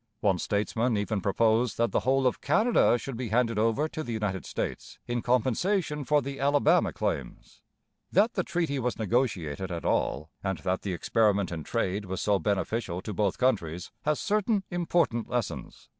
One statesman even proposed that the whole of Canada should be handed over to the United States in compensation for the Alabama claims. That the treaty was negotiated at all, and that the experiment in trade was so beneficial to both countries, has certain important lessons.